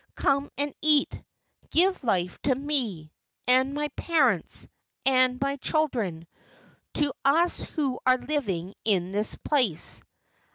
Come and eat. Give life to me, And my parents, And my children, To us who are living in this place.